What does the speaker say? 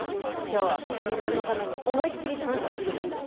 今日は心美ちゃんのために思いっ切り楽しむ日でしょ。